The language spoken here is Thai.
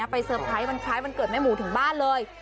เซอร์ไพรส์วันคล้ายวันเกิดแม่หมูถึงบ้านเลย